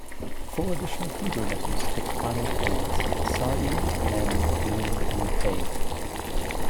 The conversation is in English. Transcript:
Four additional Hebrew letters take final forms: tsadi, mem, nun, and pei.